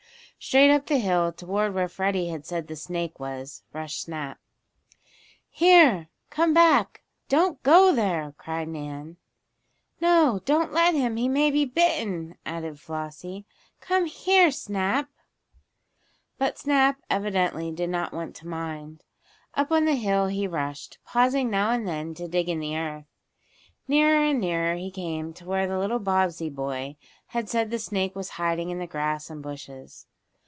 Straight up the hill, toward where Freddie had said the snake was, rushed Snap. "Here! Come back! Don't go there!" cried Nan. "No, don't let him he may be bitten!" added Flossie. "Come here, Snap!" But Snap evidently did not want to mind. On up the hill he rushed, pausing now and then to dig in the earth. Nearer and nearer he came to where the little Bobbsey boy had said the snake was hiding in the grass and bushes.